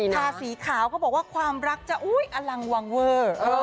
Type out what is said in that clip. ทาสีขาวเขาบอกว่าความรักจะอุ๊ยอลังวังเวอร์